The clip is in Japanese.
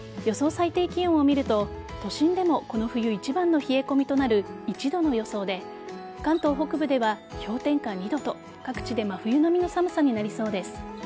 最低気温を見ると都心でもこの冬一番の冷え込みとなる１度の予想で関東北部では氷点下２度と各地で真冬並みの寒さになりそうです。